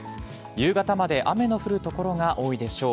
夕方まで雨の降る所が多いでしょう。